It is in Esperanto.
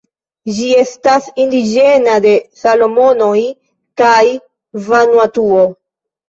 Ĝi estas indiĝena de Salomonoj kaj Vanuatuo.